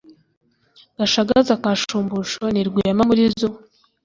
Gashagaza ka Shumbusho ni Rwema-muri-zo